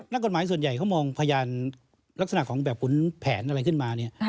นักกฎหมายส่วนใหญ่เขามองพยานลักษณะของแบบขุนแผนอะไรขึ้นมาเนี่ย